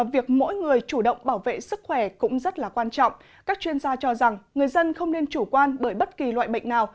việc mỗi người chủ động bảo vệ sức khỏe cũng rất là quan trọng các chuyên gia cho rằng người dân không nên chủ quan bởi bất kỳ loại bệnh nào